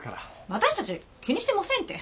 私たち気にしてませんって。